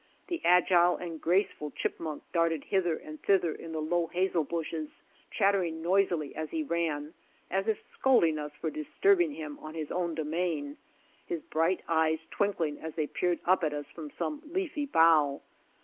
The agile and graceful chipmunk darted hither and thither in the low hazel bushes, chattering noisily as he ran, as if scolding us for disturbing him on his own domain, his bright leyes twinkling as they peered up at us from some leafy bough.